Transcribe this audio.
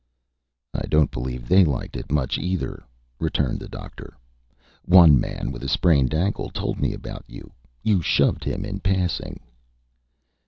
"I don't believe they liked it much either," returned the Doctor. "One man with a sprained ankle told me about you. You shoved him in passing."